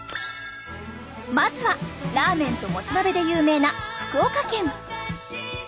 まずはラーメンともつ鍋で有名な福岡県。